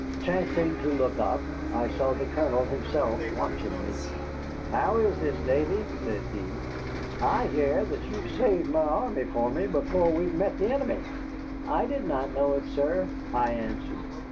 Chancing to look up, I saw the Colonel himself watching me. "How is this, Davy?" said he. "I hear that you have saved my army for me before we have met the enemy." "I did not know it, sir," I answered.